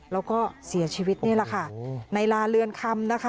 แล้วก็เสียชีวิตนี่แหละค่ะในลาเรือนคำนะคะ